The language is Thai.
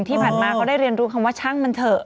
ที่ผ่านมาก็ได้เรียนรู้คำว่าช่างมันเถอะ